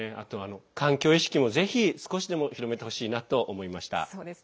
環境意識もぜひ少しでも広げてほしいと思いました。